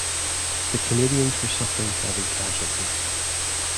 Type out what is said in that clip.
The Canadians were suffering heavy casualties.